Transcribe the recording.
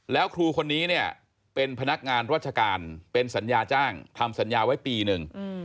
แล้วครูคนนี้เนี่ยเป็นพนักงานราชการเป็นสัญญาจ้างทำสัญญาไว้ปีหนึ่ง